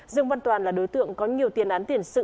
dương văn toàn là đối tượng có nhiều tiền án tiền sự